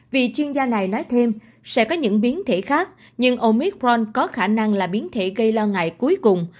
vị chuyên gia này nói thêm sẽ có những biến thể khác nhưng omicron có khả năng là biến thể gây lo ngại cuối cùng